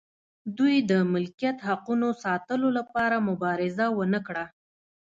دوی د ملکیت حقونو ساتلو لپاره مبارزه ونه کړه.